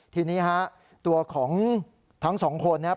ทีนี้ห้ะตัวของทั้งสองคนแนะ